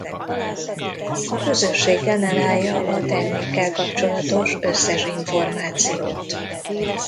A közösség generálja a termékkel kapcsolatos összes információt.